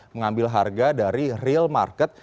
mengambil harga dari real market